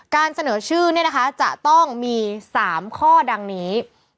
เสนอชื่อจะต้องมี๓ข้อดังนี้